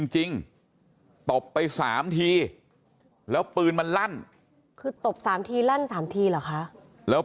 จริงตบไป๓ทีแล้วปืนมันลั่นคือตบ๓ทีลั่น๓ทีเหรอคะแล้ว